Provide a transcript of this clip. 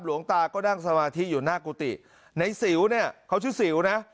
หลวงตาก็นั่งสมาธิอยู่หน้ากุฏิในสิวเนี่ยเขาชื่อสิวนะ